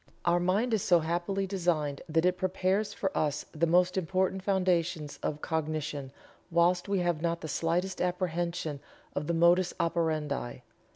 Our mind is so happily designed that it prepares for us the most important foundations of cognition, whilst we have not the slightest apprehension of the modus operandi.